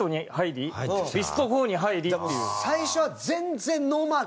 最初は全然ノーマーク。